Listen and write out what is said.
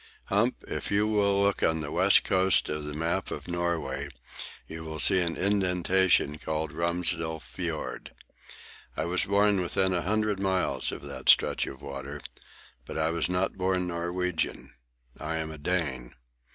"Hump, if you will look on the west coast of the map of Norway you will see an indentation called Romsdal Fiord. I was born within a hundred miles of that stretch of water. But I was not born Norwegian. I am a Dane.